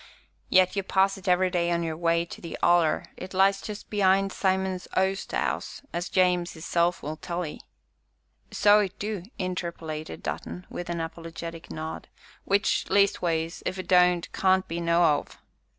"Yet you pass it every day on your way to the 'Oller it lays just be'ind Simon's oast 'ouse, as James 'isself will tell 'ee." "So it du," interpolated Dutton, with an apologetic nod, "which, leastways, if it don't, can't be no'ow!"